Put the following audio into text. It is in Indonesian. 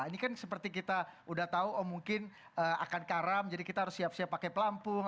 ini kan seperti kita udah tahu mungkin akan karam jadi kita harus siap siap pakai pelampung